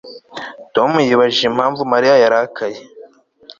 Tom yibajije impamvu Mariya yarakaye